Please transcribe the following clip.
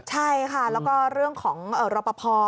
ใช่ค่ะแล้วก็เรื่องของรอปภ